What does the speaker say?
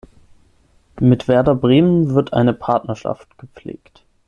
Mit Werder Bremen wird eine Partnerschaft gepflegt.